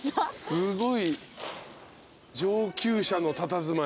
すごい。